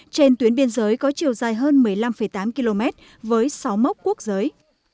trên tuyến biên giới có chiều dài hơn một mươi năm tám km với sáu mốc quốc giới